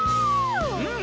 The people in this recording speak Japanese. うん。